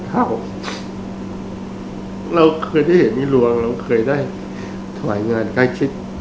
แต่เราเคยได้เห็นมีรัวเราเคยได้ถ่ายงานการคิด